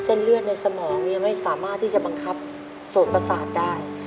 เส้นเลือดในสมองยังไม่สามารถที่จะบังคับโสดประสาทได้